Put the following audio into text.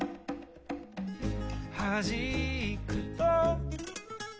「はじくと」